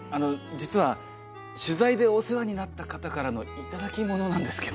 実は取材でお世話になった方からの頂き物なんですけど。